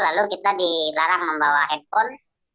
lalu kita dilarang membawa handphone